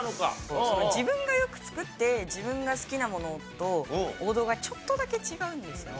自分がよく作って自分が好きなものと王道がちょっとだけ違うんですよね。